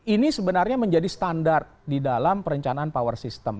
ini sebenarnya menjadi standar di dalam perencanaan power system